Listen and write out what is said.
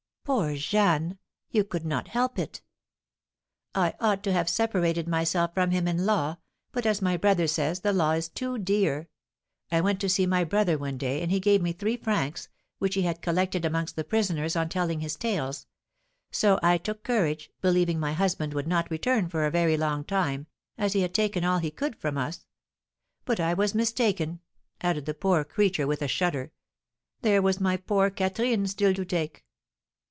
"Poor Jeanne! You could not help it." "I ought to have separated myself from him in law, but, as my brother says, the law is too dear! I went to see my brother one day, and he gave me three francs, which he had collected amongst the prisoners on telling his tales. So I took courage, believing my husband would not return for a very long time, as he had taken all he could from us. But I was mistaken," added the poor creature, with a shudder; "there was my poor Catherine still to take!"